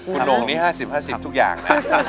คุณโหงนี้๕๐๕๐ทุกอย่างนะ